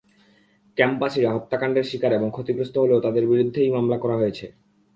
ক্যাম্পবাসীরা হত্যাকাণ্ডের শিকার এবং ক্ষতিগ্রস্ত হলেও তাদের বিরুদ্ধেই মামলা করা হয়েছে।